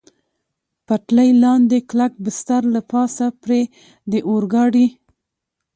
پټلۍ لاندې کلک بستر، له پاسه پرې د اورګاډي.